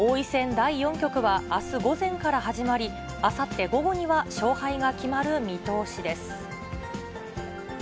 第４局はあす午前から始まり、あさって午後には勝敗が決まる見通しです。